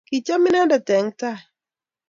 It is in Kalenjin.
Kicham inendet eng tai